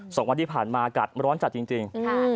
สองวันที่ผ่านมาอากาศร้อนจัดจริง